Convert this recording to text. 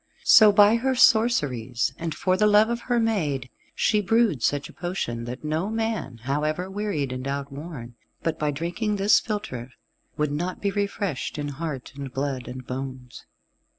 So by her sorceries, and for the love of her maid, she brewed such a potion that no man, however wearied and outworn, but by drinking this philtre, would not be refreshed in heart and blood and bones.